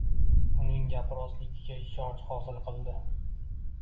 uning gapi rostligiga ishonch hosil qildi.